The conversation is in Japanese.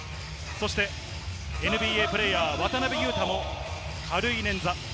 そしてＮＢＡプレーヤー渡邊雄太も軽い捻挫。